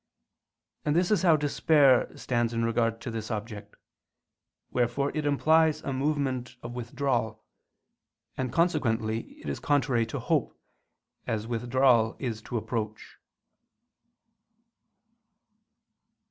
And this is how despair stands in regard to this object, wherefore it implies a movement of withdrawal: and consequently it is contrary to hope, as withdrawal is to approach.